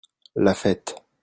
La fête.